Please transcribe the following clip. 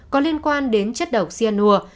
có liên quan đến chất độc sianua